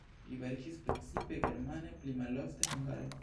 Li verkis precipe germane, pli malofte hungare.